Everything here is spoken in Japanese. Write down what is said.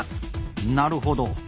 なるほど。